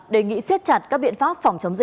đề nghị xét chặt các biện pháp